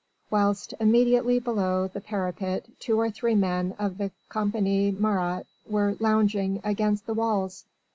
Whilst immediately below the parapet two or three men of the Company Marat were lounging against the walls.